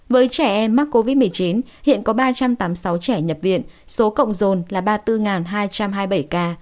với trẻ em mắc covid một mươi chín hiện có ba trăm tám mươi sáu trẻ nhập viện số cộng dồn là ba mươi bốn hai trăm hai mươi bảy ca